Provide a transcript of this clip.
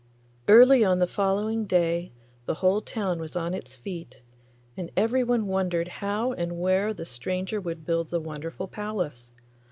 Early on the following day the whole town was on its feet, and everyone wondered how and where the stranger would build the wonderful palace.